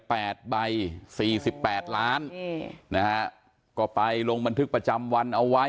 แปดใบสี่สิบแปดล้านอืมนะฮะก็ไปลงบันทึกประจำวันเอาไว้